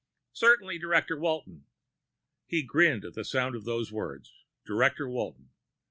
"Certainly, Director Walton." He grinned at the sound of those words, Director Walton.